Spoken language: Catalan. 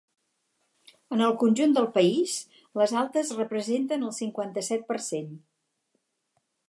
En el conjunt del país, les altes representen el cinquanta-set per cent.